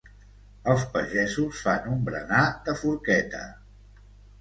els pagesos fan un berenar de forqueta